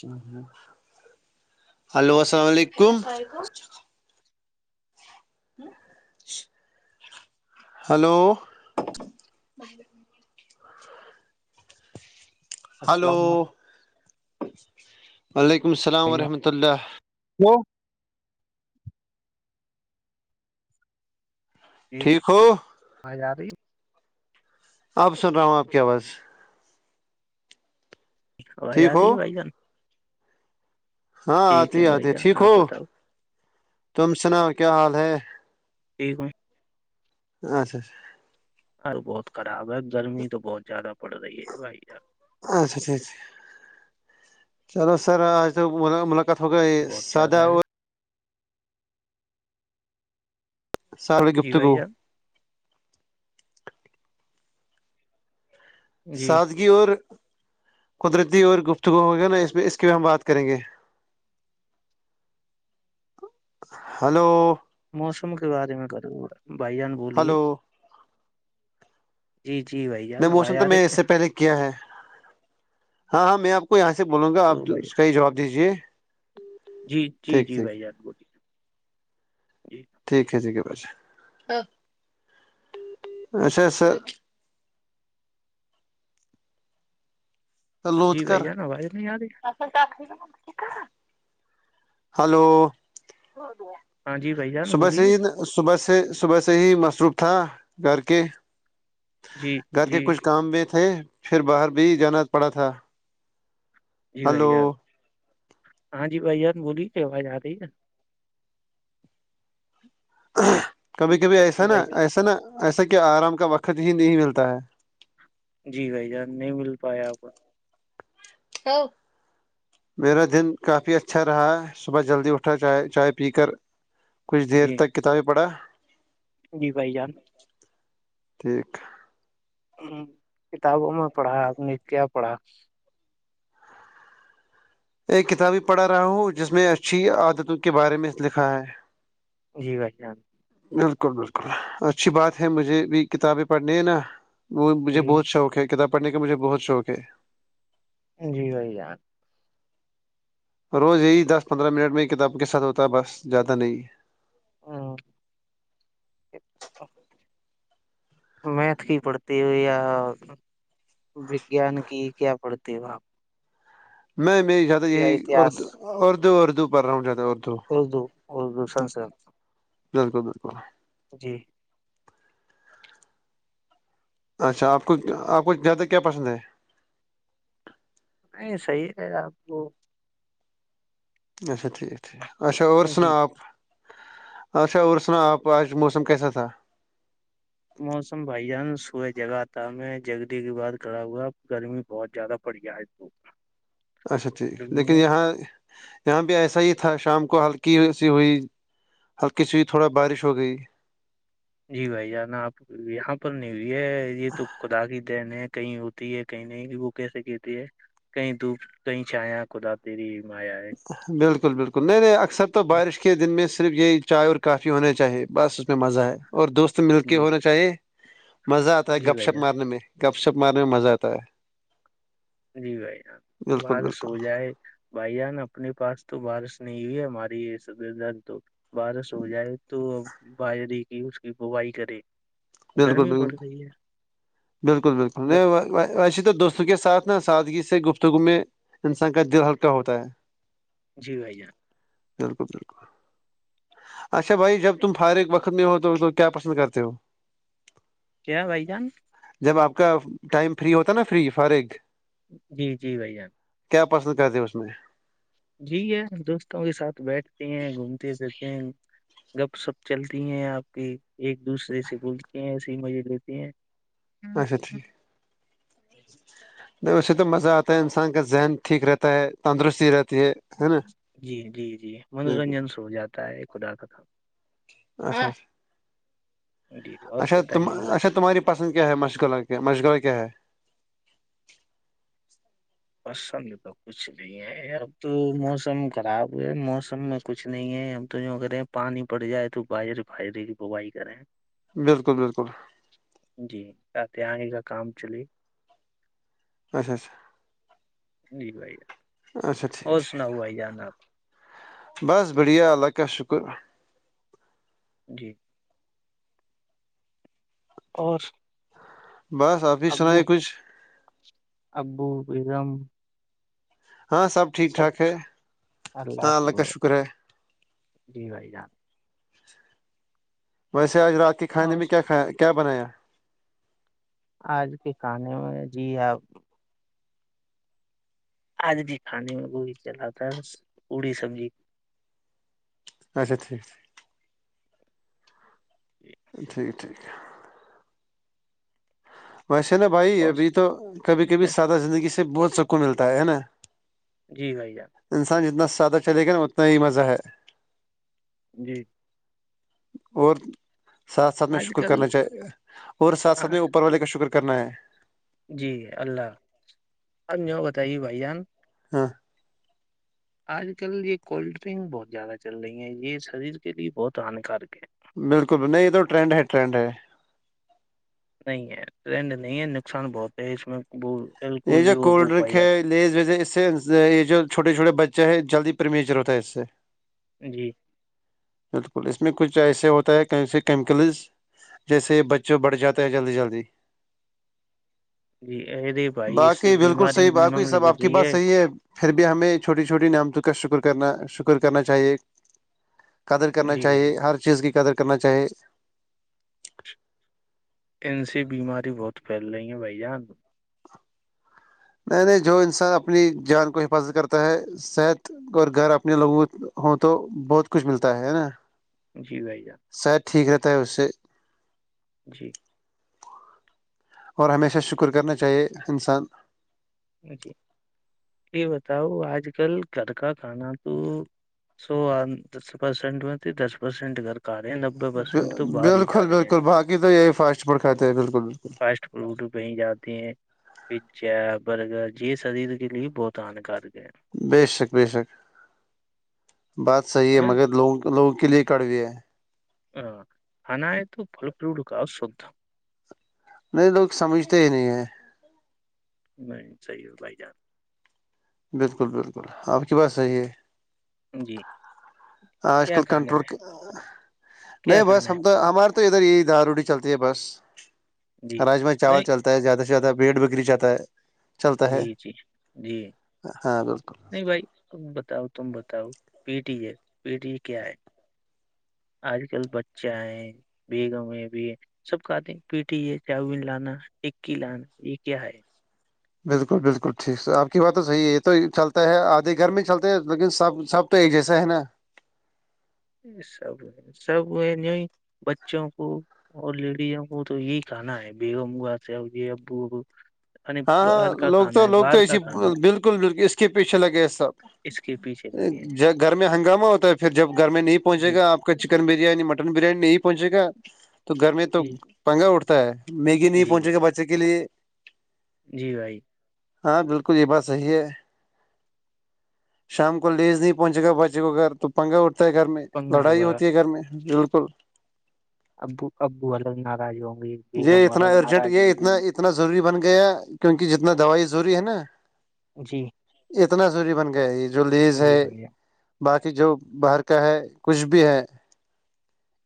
ہو ہو ہلو السلام علیکم ہلو باہ ہلو السلام علیکم وعلیکم السلام بھائی جان ورحمۃ اللہ ہ [unintelligible] ٹھیک ہو ہاں جا رہی ہے آپ سنو آپ کی آواز آواز آ ٹھیک ہو رہی ہے بھائی جان ہاں ٹھیک آتی ہے ہی بھائی آتی جان ٹھیک آپ ہو بتاؤ تم سنا کیا حال ہے ٹھیک ہو اچھا اچھا ار بہت خراب ہے گرمی تو بہت زیادہ پڑ رہی ہے بھائی جان اچھا ٹھا ٹھ چلو سر آج تو کات ہو گئی بہت سدہ زیادہ ہے اور سارڑ جی بھائی گپتگو جان جی سادگی اور قدرتی اور گفتگو ہوگیا نا اس میں اس کی بھی ہم بات کریں گے ہلو موسم کے بارے میں کروںا بھائی جان بولیے ہلو جی جی بھائی جان نہیں موسم آواز تو آ میں اس رہی ہے سے پہلے کیا ہے ہاں ہاں میں آپ کو یہاں سے بولوں گا آپ تو بھائی اس جان کا ہی جواب دیجیے جی جی ٹھیک جی ٹھیک بھائی جان بولیے جی ٹھیک ہے ٹھیک ہے ب اچھا سر تو لوت جی کرر بھائی جان آواز نہیں آ رہی ہلو ہاں جی بھائی جان صبح بولیے سید صبح سے صبح سے ہی مصروف تھا گھر کے جی گھر کے جی کچھ کام میں تھے پھر باہر بھی جانا پڑا تھا جی بھائی ہلو جان ہاں جی بھائی جان بولیے کیا آواز آ رہی ہے کبھی کبھی جی ایسا نا بھائی جان ایسا نا ایسا کہ آرام کا وقت ہی نہیں ملتا ہے جی بھائی جان نہیں مل پاائے آپ کو ہ [unintelligible] میرا دن کافی اچھا رہا صبح جلدی اٹھا چائے چائے پی کر کچھ دیر جی تک کتابیں پڑھا جی بھائی جان ٹھک کتابوں میں پڑھا آپ نے کیا پڑھا ایک کتاب ہی پڑھا رہا ہوں جس میں اچھی عادتوں کے بارے میں لکھا ہے جی بان بالکل بالکل اچھی بات ہے مجھے بھی کتابیں پڑھنے ہے نا وہ مجھے جی بہت شوق ہے کتاب پڑھنے کا مجھے بہت شوق ہے جی وہی ات روز یہی دس پندرہ منٹ میں یہ کتاب کے ساتھ ہوتا ہے بس زیادہ نہیں ہے ہاں میتھ کی پڑھتے ہو یا وجان کی کیا پڑتی ہے باپ میں میں زیادہ یہی اتہس اردو اردو اردو پڑ رہا ہوں زیادہ اردو ہ دو ہ دو سن سے بالکل بالکل جی اچھا آپ کو آپ کو زیادہ کیا پسند ہے نہیں صحیح ہے آپ کو اچا ٹھیک ٹھیک اچا اور سنا جی آپ اچھا اور سنا آپ آج موسم کیسا تھا موسم بھائی جان سبئے جگہ آ تھا میں جگی کے بعد کڑا ہوا گرمی بہت زیادہ پڑ جائے تو اچھا ٹھیک گرمی لیکن نے یہاں یہاں بھی ایسا ہی تھا شام کو ہلکی ای سی ہوئی ہلکی سی ہی تھوڑا بارش ہو گئی جی بھائی جانا آپ یہاں پر نہیں بھی ہے یہ تو خدا کی جن کہیں ہوتی ہے کہیں نہیں وہ کیسے کہتی ہے کہیں دھپ کہیں چایا کودا تری مایا ہے بالکل بالکل نہیں نہیں اکثر تو بارش کے دن میں صرف یہی چائے اور کافی ہونا چاہیے بس اسس میں مزہ ہے اور دوست مل کے جی ہونا چاہیے مزہ آتا ہے جی گپ بھائی شپ جان مارنے میں گپ شپ مارنے میں مزہ آتا ہے جی بھائی بالکل بار بالکل سو جائے بھائی جان اپنی پاس تو بارش نہیں ہوئی ہے ہماری سد تو بارش ہو جائے تو ا بائری کی اس کی بوائی کرے بالکل گرمی پڑ بالکل رہی ہے بالکل بالکل گ- نہیں ویسے تو دوستوں کے ساتھ نا سادگی سے گفتگو میں انسان کا دل ہلکا ہوتا ہے جی بھیا بالکل بالکل اچھا بھائی جب تم فارغ وقت میں ہو تو کیا پسند کرتے ہو کیا بھائی جان جب آپ کا ٹائم فری ہوتا نا فری فارغ جی جی بھائی جان کیا پسند کرتے اس میں جی ہے دوستوں کے ساتھ بیٹھتے ہیں گھومتے پھرتے گپ سپ چلتی ہیں آپ کی ایک دوسرے سے گولتے ہیں ایسے ہی مزے لیتے ہیں اچھا ٹھیک اچھا نہیں ویسے تو مزہ آتا ہے انسان کا ذہن ٹھیک رہتا ہے تندرستی رہتی ہے ہے نا جی جی جی بالکل منورنجن س ہو جاتا ہے خدا کا کام ہ کام جی اور اچھا تم بتائیے بھائی اچھا تمہاری پسند کیا ہے مشغلہ کیا مشغلہ کیا ہے پسند تو کچھ نہیں ہے اب تو موسم خراب ہے موسم کچھ نہیں ہے ہم تو کریں پانی پڑ جائے تو باہر باہرے کی بوائی کریں بالکل بالکل جی آتے آنے کا کام چلیے اچھا اچھا جی بھائی اچھا ٹھیک اور ٹھیک سنا ہوا ہی جانا آپ بس بڑھیا اللہ کا کا شکر جی اور بس آپ ہی ابو سنائیے کچھ ابو بیگم ہاں سب ٹھیک ٹھاک ہے سب ہاں کی اللہ کا وہ شکر ہے جی بھائی جان ویسے آج رات کے کھانے میں اور کیا کھایا کیا بنایا آج کے کانے میں جی آپ آج بھی کھانے میں وہ بھی چلا تھا پوڑی سبزی اچھا ٹھیک جی ٹھیک ہے ٹھیک ہے ویسے نا بھائی اور ابھی تو کبھی کبھی اور- سادہ زندگی سے بہت چکو ملتا ہے ہے نا جی بھائی جان انسان جتنا سادہ چلے گا نا اتنا ہی مزہ ہے جی اور ساتھ ساتھ میں آج شکر کل کرنا چاہ اور ساتھ آ- ساتھ میں اوپر والے کا شکر کرنا ہے جی اللہ آپ یوں بتائیے بھائی جان ہاں آج کل یہ کولڈ ڈرنک بہت زیادہ چل رہی ہیں یہ شریر کے لیے بہت ہان کارک ہے بالکل نہیں یہ تو ٹرینڈ ہے ٹرینڈ ہے نہیں ہے ٹرینڈ نہیں ہے نقصان بہت ہے اس میں وہ بالکو یہ جو کولڈ وہ ڈرنک پائی ہے جاتے لیز ویز اس سے یہ جو چوٹے چھوٹے بچہ ہے جلدی پریمیچر ہوتا ہے اس سے جی بالکل اس میں کچھ ایسے ہوتا ہے کیس کیمیکلز جیسے بچے بڑھ جاتے ہیں جلدی جلدی جی یہ باقی بالکل صحیح باقی سب آپ کی بات صحیح ہے پھر بھی ہمیں چھوٹی چھوٹی نعمتوں کا شکر کرنا شکر کرنا چاہیے قدر کرنا جی چاہے بھائی جان ہر چیز کی قدر کرنا چاہیے ان سے بیماری بہت پھیل رہی ہیں بھائی جان نہیں نہیں جو انسان اپنی جان کو حفاظت کرتا ہے صحت اور گھر اپنے لوگو ہوں تو بہت کچھ ملتا ہے نا جی بھائی جان سر ٹھیک رہتا ہے اس سے جی اور ہمیشہ شکر کرنا چاہیے انسان جی یہ بتاؤ آج کل گھر کا کھانا تو سو دس پرسینٹ میں دس پرسینٹ گک آ رہے ہیں پرسینٹ تو باہر ہی جا بالکل رہے ہیں بالکل بقی تو یہ فاسٹ فوڈ خاتے بالکل بالکل لوڈو کہیں جاتے ہیں جیپ برگ ج یہ شریر کے لیے بہت ہان کارک بے شک بے شک بات صحیح ہے اور، مگر لوگوں لوگوں کے لیے کڑوی ہے ہ کھانا ہے تو فل ف ڈکاؤ سھ نہیں لوگ سمجھتے ہی نہیں ہیں نہیں صحیح ہے بائی چانس بالکل بالکل آپ کی بات صحیح ہے جی آج کیا کل کھانا کنٹرول ہے کیا نہیں کھانا بس ہے ہم تو ہمار تو ادھر یہ دال روٹی چلتی ہے بس جی راجم چاول نہیں چلتی ہے زیادہ سے زیادہ بیٹ بکری جا ہے چلتا ہے جی جی جی ہاں بالکل نہیں بھائی ا بتاؤ تم بتاؤ پی ٹی ہے پی ٹی کیا ہے آج کل بچےئے بیگم ہے بھی سب کہاتتے ہیں پیٹی یہ چاؤ بین لانا ٹکی لانا یہ کیا ہے بالکل بالکل ٹھیک سر آپ کی بات تو صحیح ہے تو چلتا ہے آدھے گھر میں ہی چلتے ہیں لیکن سب سب تو ایک جیسا ہے نا یہ سب ہے سب ہے نہیں بچوں کو اور لیڈیزوں کو تو یہی کھانا ہے بیگم مگا سے یہ ابو یعنی ہاں ہاں باہر کا لوگ تو کھانا ہے لوگ تو باہر کا اسی کھانا ہے بالکل بالکل اس کے پیچھے لگے سب اس کے پیچھے لگے گھر میں ہنگامہ ہوتا ہے پھر جب گھر میں نہیں پہنچے جی گا آپ کا چکن بریانی مٹن بریانی نہیں پہنچے گا تو گھر میں تو جی پنگا اٹھتا ہے میگی نہیں جی پہنچے گا بچے کے لیے جی بھائی ہاں بالکل یہ بات صحیح ہے شام کو لیز نہیں پہنچے گا بچے کو گھر تو پنگا اٹھتا ہے گھر میں پنگا لڑائی ہوا ہوتی ہے گھر میں بالکل ابو ابو الگ ناراض ہوں گی یہ اتنا ارجنٹ یہ اتنا اتنا ضروری بن گیا کیونکہ جتنا دوائی ضروری ہے نا جی اتنا ضروری بن گیا یہ جو لیز جی ہے بھیا باقی جو باہر کا ہے کچھ بھی ہے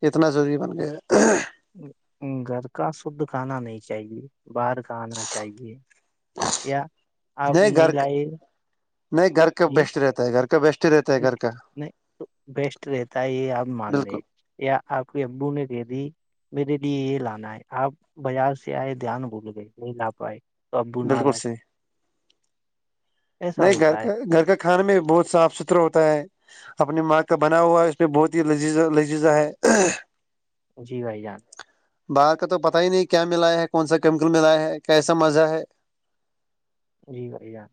اتنا ضروری بن گیا گھر کا شدھ کھانا نہیں چاہیے باہر کا آاننا چاہیے آپ نہیں لائے نہیں گھر کا جی بیسٹ رہتا ہے گھر کا بیسٹ رہتا ہے گھر نہیں کا نہیں تو بیسٹ رہتا ہے یہ آپ مان بالکل ل یا آپ کے ابو نے دے دی میرے لیے یہ لانا ہے آپ بازار سے آئے دھیان بھول گئے یہ لا پائے س ب بالکل نالاج صحیح نہیں گھر کا گھر کا کھانے میں بہت صاف ستھرا ہوتا ہے اپنی ماں کا بنا ہوا ہے اس پہ بہت ہی لذیذا لجیذا ہے جی بھائی جان باہر کا تو پتا ہی نہیں کیا ملایا ہے کون سا کیمیکل ملایا ہے کیسا مزہ ہے جی بائی جار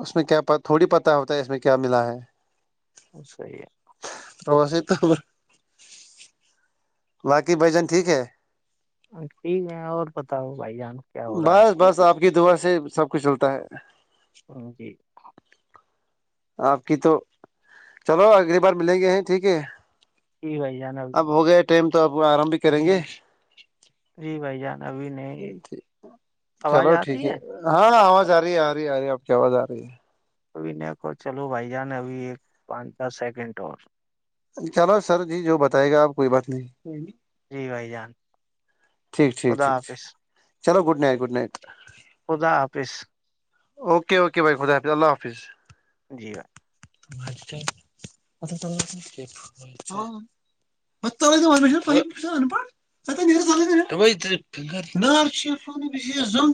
اس میں کیا تھوڑی پتہ ہوتا ہے اس میں کیا ملا ہے صحی ہے رس توب لقی ب جن ٹھیک ہے ٹھیک ہے اور پتا ہو بائی جان کیا ہو رہا ہے بس بس آپ کی دعا سے سب کچھ چلتا ہے ہ جی ہاں آپ کی تو چلو اگلی بار ملیں گے ہیں ٹھیک ہے کی بھائی جانا اب ہو گیا ٹائم تو آپ آرام بھی کریں گے جی بھائی جان ابھی نہیں یک آواز چلو آ ٹھیک رہی ہے ہاں آواز آ رہی ہے آ رہی ہے آ رہ ہے آپ کی آواز آ رہی ہے ابھییک چلو بھائی جان ابھی ایک پانچ دس سیکنڈ اور چلو سر جی جو بتائے گا آپ کوئی بات نہیں جی بھ جان ٹھیک ٹھیک خدا ٹھیک ٹھیک حافظ چلو گڈ نائٹ گڈ نائٹ خدا حافظ اوکے اوکے بھائی خد حافظ اللہ حافظ جی بات اچ ا ب ان پڑھ ن ف زگ